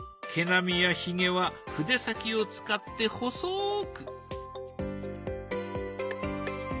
毛並みやひげは筆先を使って細く。